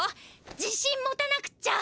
じしん持たなくっちゃ！